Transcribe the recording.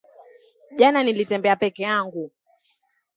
Jana nilitembea peke yangu